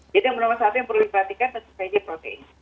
jadi yang pertama yang perlu diperhatikan adalah protein